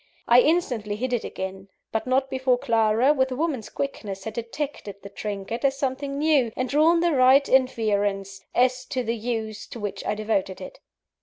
I instantly hid it again; but not before Clara, with a woman's quickness, had detected the trinket as something new, and drawn the right inference, as to the use to which I devoted it.